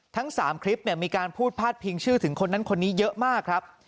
ทั้ง๓คลิปมีการพูดพาดพิงชื่อถึงคนนั้นคนนี้เยอะมากครับ